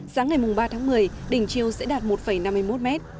sáng ngày ba tháng một mươi đỉnh chiều sẽ đạt một năm mươi một m